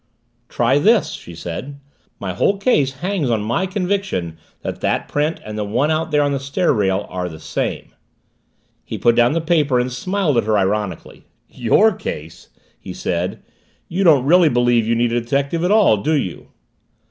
"Try this," she said. "My whole case hangs on my conviction that that print and the one out there on the stair rail are the same." He put down the paper and smiled at her ironically. "Your case!" he said. "You don't really believe you need a detective at all, do you?"